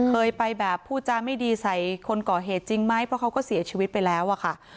เคยไปแบบพูดจาไม่ดีใส่คนก่อเหตุจริงไหมเพราะเขาก็เสียชีวิตไปแล้วอะค่ะ